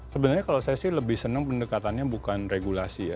sebenarnya kalau saya sih lebih senang pendekatannya bukan regulasi ya